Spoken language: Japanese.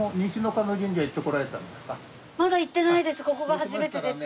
まだ行ってないです。